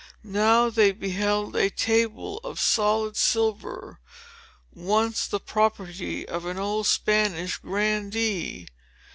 Now they beheld a table of solid silver, once the property of an old Spanish Grandee.